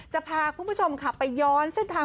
จะพาผู้ชมไปย้อน